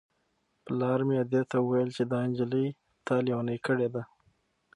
پلار مې ادې ته وویل چې دا نجلۍ تا لېونۍ کړې ده.